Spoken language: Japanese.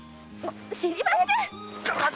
知りません！